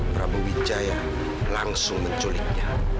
prabu wijaya langsung menculiknya